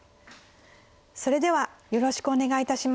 それではよろしくお願いいたします。